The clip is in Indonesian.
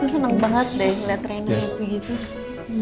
senang banget deh liat rena gitu